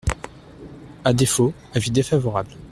À défaut, avis défavorable.